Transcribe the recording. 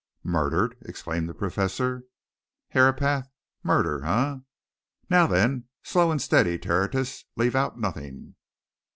"Murdered!" exclaimed the Professor. "Herapath? Murder eh? Now then, slow and steady, Tertius leave out nothing!"